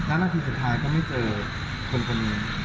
นาทีสุดท้ายก็ไม่เจอคนคนหนึ่ง